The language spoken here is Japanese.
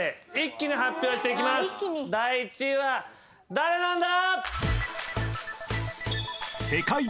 第１位は誰なんだ！？